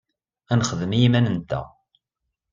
Ad nexdem i yiman-nteɣ.